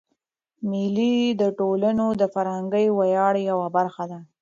مېلې د ټولني د فرهنګي ویاړو یوه برخه ده.